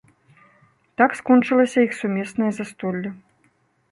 Так скончылася іх сумеснае застолле.